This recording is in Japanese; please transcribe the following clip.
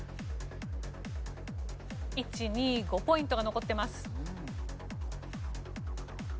１２５ポイントが残ってます。